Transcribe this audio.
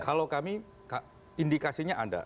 kalau kami indikasinya ada